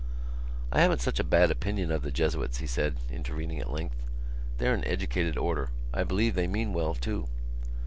"I haven't such a bad opinion of the Jesuits," he said, intervening at length. "They're an educated order. I believe they mean well too."